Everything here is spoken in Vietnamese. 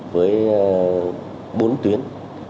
với bốn tuyến